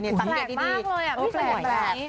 แปลกมากเลยอ่ะไม่แปลก